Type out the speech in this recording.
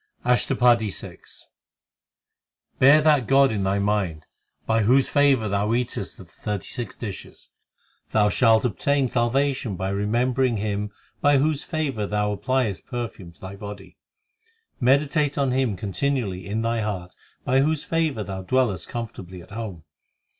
ASHTAPADI VI i Bear that God in thy mind By whose favour thou eatest of the thirty six dishes. HYMNS OF GURU ARJAN 215 Thou shall obtain salvation by remembering Him By whose favour thou appliest perfume to thy body. Meditate on Him continually in thy heart By whose favour thou dwellest comfortably at home.